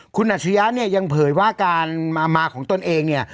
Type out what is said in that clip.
คุณหนัชย้ายังเผยว่าการมาของตนเองเนี่ย